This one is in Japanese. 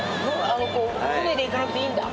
船で行かなくていいんだ。